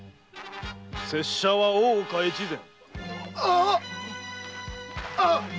拙者は大岡越前。